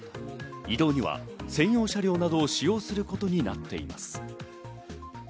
移動には専用車両などを使用することになっています。